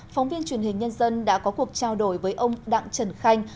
phóng viên truyền hình nhân dân đã có cuộc trao đổi với ông đặng trần khanh